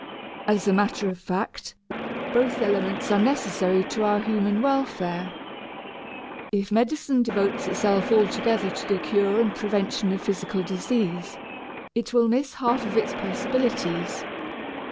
As a matter of fact, both elements are necessary to our human welfare. If medicine devotes itself altogether to the cure and prevention of physical disease, it will miss half of its possibilities.